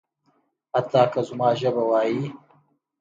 حتی که زما ژبه وايي.